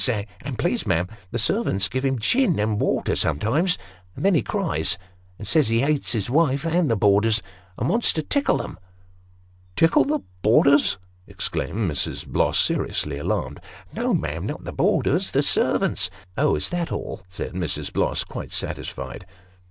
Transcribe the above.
And please, ma'am, the servants gives him gin and water sometimes ; and then he cries, and says he hates his wife and the boarders, and wants to tickle them." " Tickle the boarders !" exclaimed Mrs. Bloss, seriously alarmed. " No, ma'am, not the boarders, the servants." " Oh, is that all !" said Mrs. Bloss, quite satisfied.